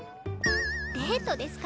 デートですか？